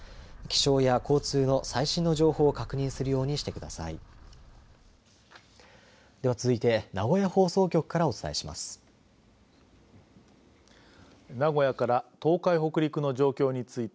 気象や交通の最新の情報を確認するようにしてください。